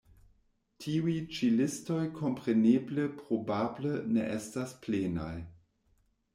Tiuj ĉi listoj kompreneble probable ne estas plenaj.